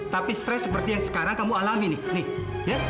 tapi stres seperti yang sekarang kamu alami nih